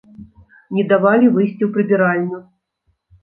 Не давалі выйсці ў прыбіральню.